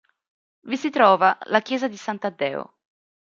Vi si trova la Chiesa di San Taddeo